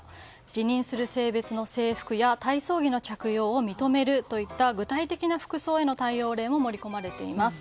自認する性別の制服や体操着の着用を認めるといった具体的な服装への対応例も盛り込まれています。